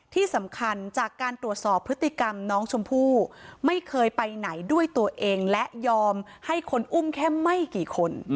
ที่สำคัญจากการตรวจสอบพฤติกรรมน้องชมพู่ไม่เคยไปไหนด้วยตัวเองและยอมให้คนอุ้มแค่ไม่กี่คน